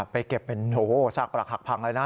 ไปเก็บเป็นโอ้โหสรรพลักษณ์หักพังเลยนะ